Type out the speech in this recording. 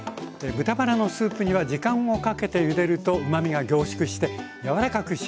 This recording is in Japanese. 豚バラのスープ煮は時間をかけてゆでるとうまみが凝縮してやわらかく仕上がります。